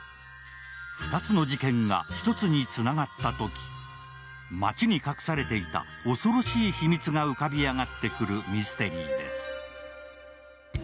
２つの事件が１つにつながったとき、町に隠されていた恐ろしい秘密が浮かび上がってくるミステリーです。